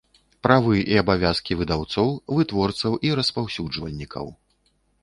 ПРАВЫ I АБАВЯЗКI ВЫДАЎЦОЎ, ВЫТВОРЦАЎ I РАСПАЎСЮДЖВАЛЬНIКАЎ